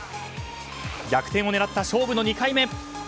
逆転を狙った勝負の２回目。